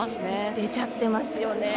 出ちゃってますね。